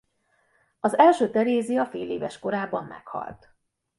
Az első Terézia féléves korában meghalt.